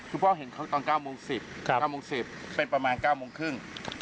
คือพ่อเห็นเขาตอน๙โมง๑๐๙โมง๑๐เป็นประมาณ๙โมงครึ่ง